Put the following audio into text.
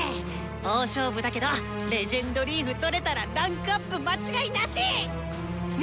大勝負だけど「レジェンドリーフ」とれたら位階アップ間違いなし！ね！